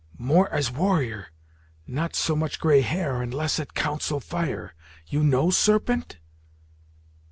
More as warrior, not so much gray hair, and less at Council Fire. You know Serpent?"